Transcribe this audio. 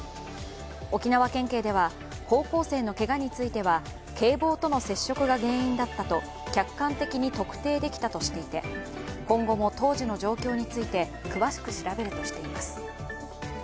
沖縄県警では、高校生のけがについては警棒との接触が原因だったと客観的に特定できたとしていて今後も当時の状況について詳しく調べるとしています。